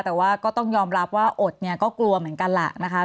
แต่ว่าก็ต้องยอมรับว่าอดเนี่ยก็กลัวเหมือนกันล่ะนะคะ